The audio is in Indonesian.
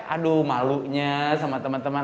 aduh malunya sama temen temen